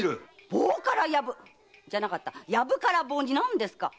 ⁉棒から薮じゃなかった薮から棒に何ですか？